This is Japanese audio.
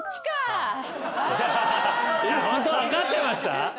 ホントに分かってました？